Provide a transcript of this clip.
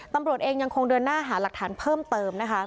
ตำรวจเองยังคงเดินหน้าหาหลักฐานเพิ่มเติมนะคะ